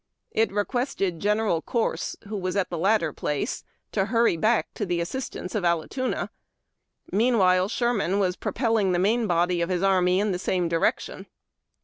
It requested General Corse, w'ho was at tlie latter place, to hurry back to the assistance of Allatoona. Meanwhile, Sherman was propelling the main body of his army in the same direction.